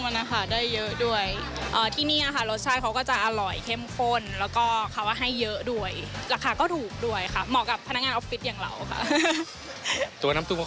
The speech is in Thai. หอมขึ้นมานะคะเหมือนเครื่องตุ๋ม